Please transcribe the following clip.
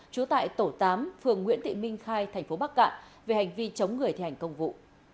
chú tại tổ tám phường nguyễn thị minh khai tp bắc cạn về hành vi chống người thi hành công vụ